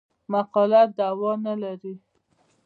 مقاله دعوا نه لري.